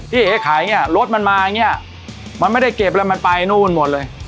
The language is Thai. เอ๊ขายเนี่ยรถมันมาอย่างเงี้ยมันไม่ได้เก็บแล้วมันไปนู่นหมดเลย